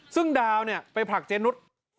ซึ่งดาวไปผลักเจนุส